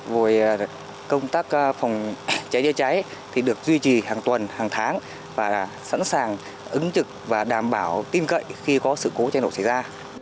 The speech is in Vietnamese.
với công tác phòng cháy đưa cháy thì được duy trì hàng tuần hàng tháng và sẵn sàng ứng trực và đảm bảo tin cậy khi có sự cố chế độ xảy ra